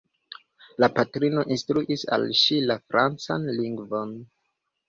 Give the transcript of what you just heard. La patrino instruis al ŝi la francan lingvon.